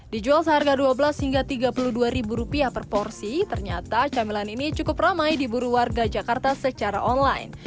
dijual seharga dua belas hingga tiga puluh dua ribu rupiah per porsi ternyata camilan ini cukup ramai diburu warga jakarta secara online